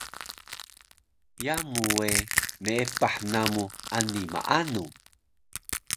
Yamu we meepah namu ani maanu